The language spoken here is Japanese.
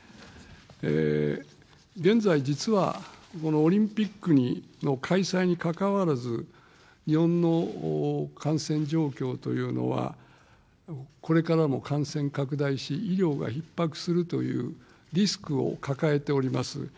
現在、実はこのオリンピックの開催に関わらず、日本の感染状況というのは、これからも感染拡大し、医療がひっ迫するというリスクを抱えております。